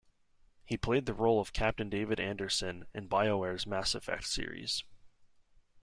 He played the role of Captain David Anderson in BioWare's "Mass Effect" series.